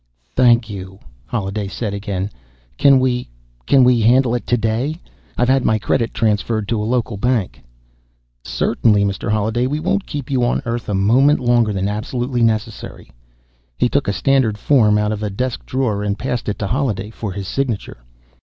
"Thank you," Holliday said again. "Can we ... can we handle it today? I've had my credit transferred to a local bank." "Certainly, Mr. Holliday. We won't keep you on Earth a moment longer than absolutely necessary." He took a standard form out of a desk drawer and passed it to Holliday for his signature.